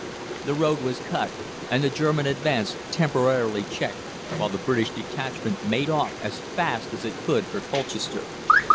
The road was cut, and the German advance temporarily checked, while the British detachment made off as fast as it could for Colchester.